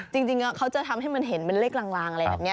จริงเขาจะทำให้มันเห็นเป็นเลขลางอะไรแบบนี้